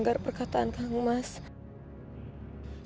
jangan membawa crushed benda apapun